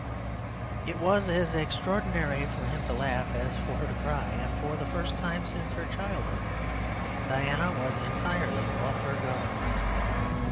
It was as extraordinary for him to laugh as for her to cry, and for the first time since her childhood Diana was entirely off her guard.